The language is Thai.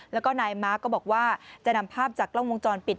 แล้วก็นายมาร์คก็บอกว่าจะนำภาพจากกล้องวงจรปิด